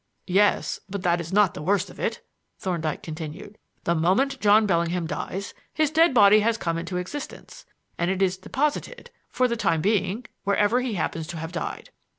"Yes, but that is not the worst of it," Thorndyke continued. "The moment John Bellingham dies, his dead body has come into existence; and it is 'deposited,' for the time being, wherever he happens to have died.